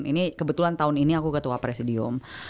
ini kebetulan tahun ini aku ketua presidium